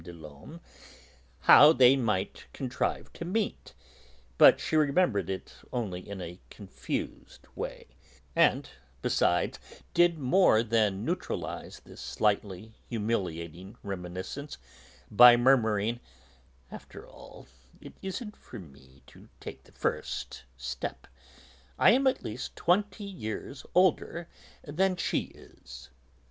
des Laumes how they might contrive to meet, but she remembered it only in a confused way, and besides did more than neutralise this slightly humiliating reminiscence by murmuring, "After all, it isn't for me to take the first step; I am at least twenty years older than she is."